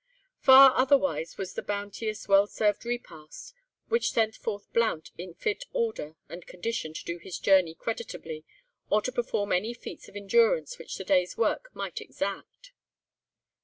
Far otherwise was the bounteous, well served repast which sent forth Blount in fit order and condition to do his journey creditably, or to perform any feats of endurance which the day's work might exact.